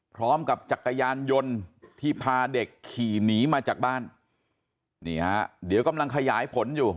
พร้อมกับจักรยานยนต์ที่พาเด็กขี่หนีมาจากบ้านนี่ฮะเดี๋ยวกำลังขยายผลอยู่